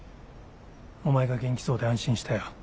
お前が元気そうで安心したよ。